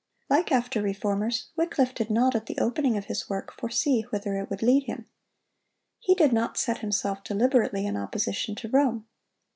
Like after reformers, Wycliffe did not, at the opening of his work, foresee whither it would lead him. He did not set himself deliberately in opposition to Rome.